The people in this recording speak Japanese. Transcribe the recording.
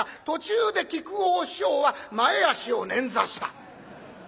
途中で木久扇師匠は前足を捻挫した。